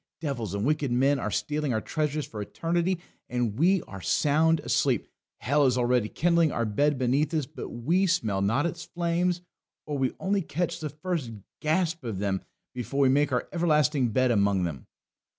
Devils and wicked men are stealing our treasures for eternity, and we are sound asleep; hell is already kindling our bed beneath us, but we smell not its flames, or we only catch the first gasp of them before we make our everlasting bed among them.